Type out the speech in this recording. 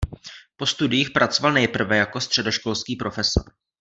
Po studiích pracoval nejprve jako středoškolský profesor.